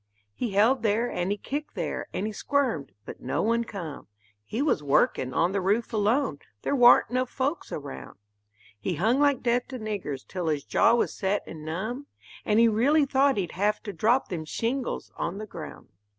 He held there and he kicked there and he squirmed, but no one come; He was workin' on the roof alone there war'n't no folks around He hung like death to niggers till his jaw was set and numb, And he reely thought he'd have to drop them shingles on the ground.